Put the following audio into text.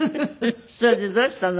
それでどうしたの？